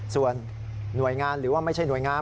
ส่วนหน่วยงานหรือว่าไม่ใช่หน่วยงาน